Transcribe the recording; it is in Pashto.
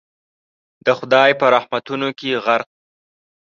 د خدای په رحمتونو کي غرق